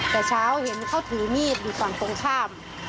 แต่เช้าเห็นเขาถือมีดอยู่ฝั่งตรงข้าม